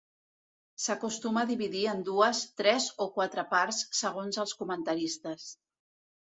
S'acostuma a dividir en dues, tres o quatre parts, segons els comentaristes.